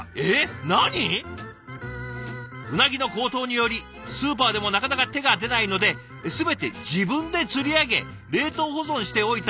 「うなぎの高騰によりスーパーでもなかなか手が出ないので全て自分で釣り上げ冷凍保存しておいた